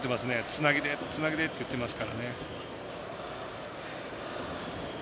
つないで、つないでって言ってますからね。